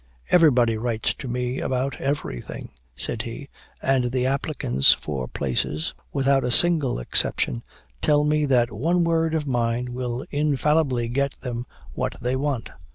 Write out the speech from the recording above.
"Everybody writes to me about everything," said he, "and the applicants for places, without a single exception, tell me that one word of mine will infallibly get them what they want.